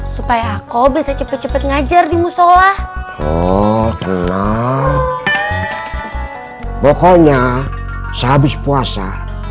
supaya aku bisa cepet cepet ngajar di musola oh tenang pokoknya sehabis puasa